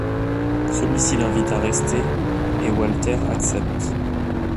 Celui-ci l'invite à rester, et Walter accepte.